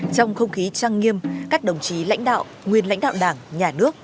trong không khí trăng nghiêm các đồng chí lãnh đạo nguyên lãnh đạo đảng nhà nước